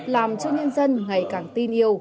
làm cho nhân dân ngày càng tin yêu